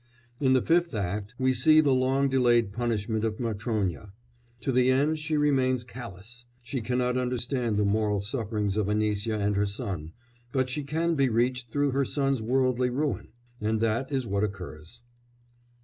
In the fifth act we see the long delayed punishment of Matrónya. To the end she remains callous; she cannot understand the moral sufferings of Anisya and her son, but she can be reached through her son's worldly ruin, and that is what occurs.